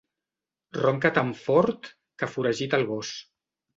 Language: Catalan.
Ronca tan fort que foragita el gos.